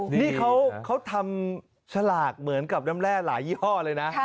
นี่เขาทำฉลากเหมือนกับน้ำแร่หลายยี่ห้อเลยนะ